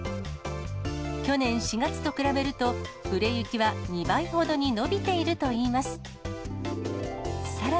去年４月と比べると、売れ行きは２倍ほどに伸びているといいます。